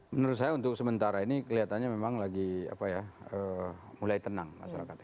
menurut saya untuk sementara ini kelihatannya memang lagi mulai tenang masyarakatnya